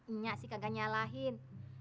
inyak sih kagak nyalahin